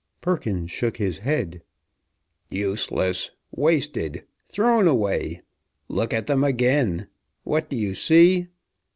Perkins shook his head. "Useless! Wasted! Thrown away! Look at them again. What do you see?"